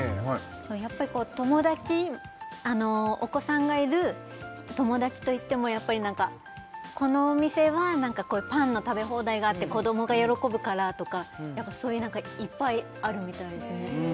やっぱり友達お子さんがいる友達と行ってもこのお店はパンの食べ放題があって子どもが喜ぶからとかそういう何かいっぱいあるみたいですね